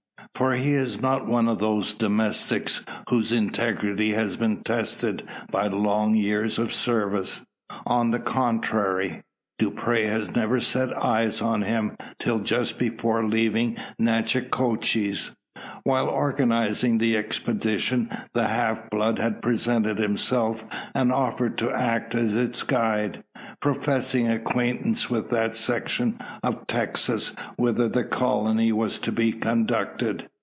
For he is not one of those domestics, whose integrity has been tested by long years of service. On the contrary, Dupre has never set eyes on him, till just before leaving Nachitoches. While organising the expedition, the half blood had presented himself, and offered to act as its guide professing acquaintance with that section of Texas whither the colony was to be conducted.